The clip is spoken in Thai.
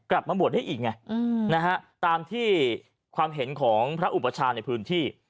กลับมาบวชได้อีกไงนะฮะตามที่ความเห็นของพระอุปชาในพื้นที่